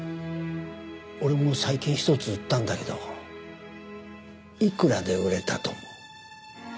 俺も最近１つ売ったんだけどいくらで売れたと思う？